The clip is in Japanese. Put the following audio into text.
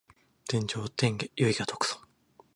天上天下唯我独尊